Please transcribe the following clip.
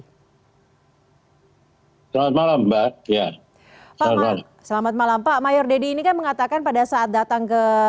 selamat malam mbak selamat malam pak mayor deddy ini kan mengatakan pada saat datang ke